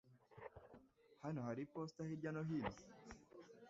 Hano hari iposita hirya no hino?